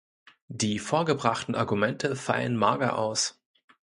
Die vorgebrachten Argumente fallen mager aus.